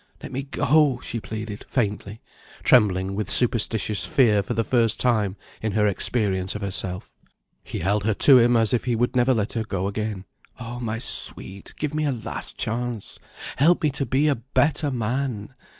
"Let me go!" she pleaded faintly, trembling with superstitious fear for the first time in her experience of herself. He held her to him as if he would never let her go again. "Oh, my Sweet, give me a last chance. Help me to be a better man!